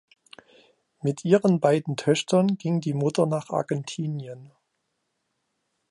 Mit ihren beiden Töchtern ging die Mutter nach Argentinien.